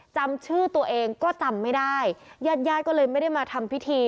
จำชื่อตัวเองก็จำไม่ได้ญาติญาติก็เลยไม่ได้มาทำพิธี